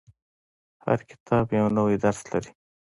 • هر کتاب یو نوی درس لري.